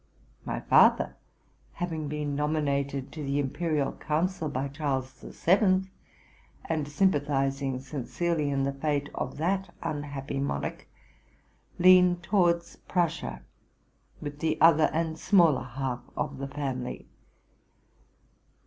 My father having been nominated to the imperial council by Charles the Seventh, and sympathizing sincerely in the fate of that unhappy monarch, leaned towards Prussia, with the other and smaller half of the family.